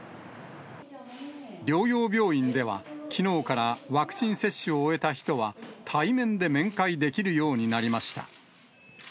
療養病院では、きのうからワクチン接種を終えた人は、対面で面会できるようになりました。